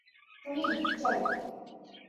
Tony, চল!